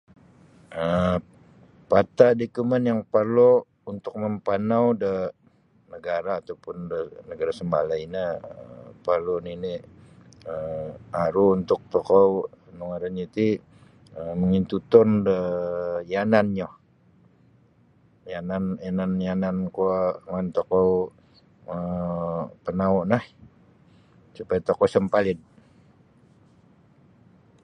um pata dokumen yang perlu untuk mempanau da negara atau pun da negara sembalai nyo parlu nini' um aru untuk tokou nu ngaran ri ti um mengintutun daa um mianannyo. mianan yanan mianan kuo mongoi tokou um panaunlah supaya tokou sa mapalid